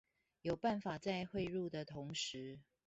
有辦法在匯入的同時